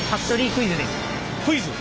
クイズ。